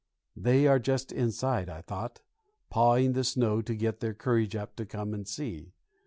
"They are just inside," I thought, "pawing the snow to get their courage up to come and see."